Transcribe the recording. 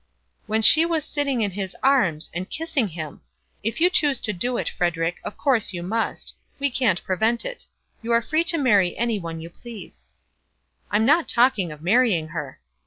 "When she was sitting in his arms, and kissing him! If you choose to do it, Frederic, of course you must. We can't prevent it. You are free to marry any one you please." "I'm not talking of marrying her."